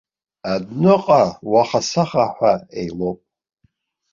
Адәныҟа уахасахаҳәа еилоуп.